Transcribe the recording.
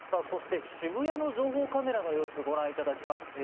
そして、渋谷の情報カメラの様子をご覧いただきます。